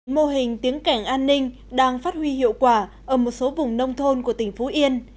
mô hình tiếng cảnh an ninh đang phát huy hiệu quả ở một số vùng nông thôn của tỉnh phú yên